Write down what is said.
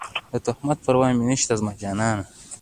د تهمت پروا مې نشته زما جانانه